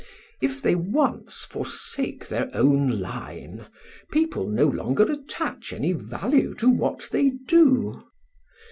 If they once forsake their own line people no longer attach any value to what they do.